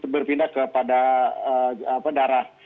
berpindah kepada darah